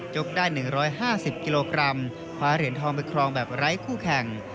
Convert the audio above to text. ได้๑๕๐กิโลกรัมคว้าเหรียญทองไปครองแบบไร้คู่แข่ง